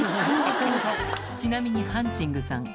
ちなみにハンチングさん